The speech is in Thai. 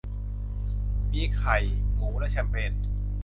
มีไข่ หมู และแชมเปญ